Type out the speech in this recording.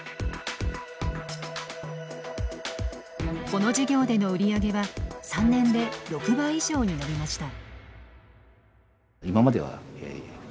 この事業での売り上げは３年で６倍以上に伸びました。